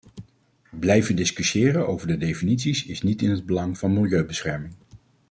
Blijven discussiëren over de definities is niet in het belang van milieubescherming.